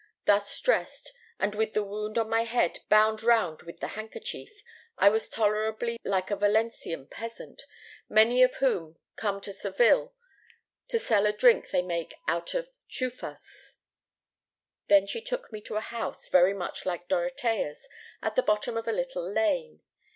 Thus dressed, and with the wound on my head bound round with the handkerchief, I was tolerably like a Valencian peasant, many of whom come to Seville to sell a drink they make out of 'chufas.'* Then she took me to a house very much like Dorotea's, at the bottom of a little lane.